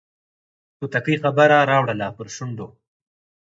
توتکۍ خبره راوړله پر شونډو